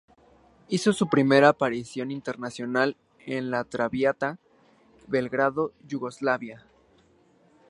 Hizo su primera aparición internacional en La traviata en Belgrado, Yugoslavia.